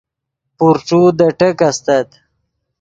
پورݯو دے ٹیک استت